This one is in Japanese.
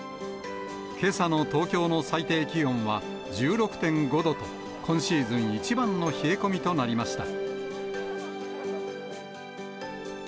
けさの東京の最低気温は１６．５度と、今シーズン一番の冷え込みとなりました。